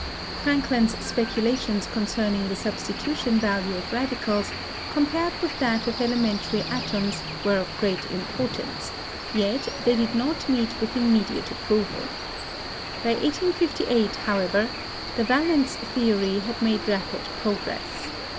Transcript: Frankland's speculations concerning the substitution value of radicals compared with that of elementary atoms were of great importance, yet they did not meet with immediate approval. By 1858, however, the valence theory had made rapid progress.